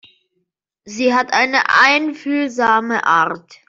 Sie hat eine einfühlsame Art.